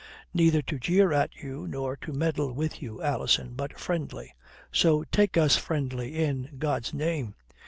Neither to jeer at you, nor to meddle with you, Alison, but friendly. So take us friendly in God's name.